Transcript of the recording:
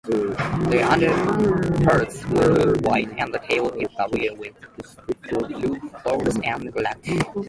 The underparts are white and the tail is barred with rufous and black.